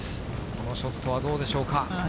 このショットはどうでしょうか。